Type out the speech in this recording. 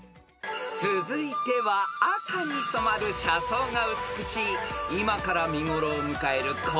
［続いては赤に染まる車窓が美しい今から見頃を迎える紅葉列車から出題］